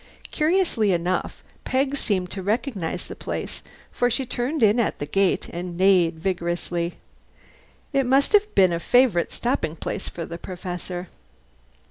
Curiously enough Peg seemed to recognize the place, for she turned in at the gate and neighed vigorously. It must have been a favourite stopping place for the Professor.